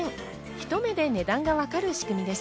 一目で値段がわかる仕組みです。